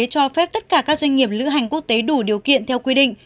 cho phép tất cả các doanh nghiệp lữ hành quốc tế đủ điều kiện theo quy định